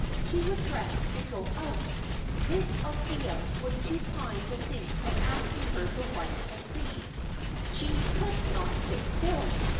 She would dress and go out. Miss Althea was too kind to think of asking her to write and read. She could not sit still.